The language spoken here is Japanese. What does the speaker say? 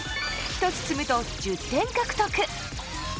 １つ積むと１０点獲得！